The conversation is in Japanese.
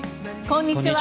こんにちは。